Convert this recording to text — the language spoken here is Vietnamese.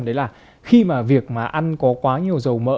đấy là khi mà việc mà ăn có quá nhiều dầu mỡ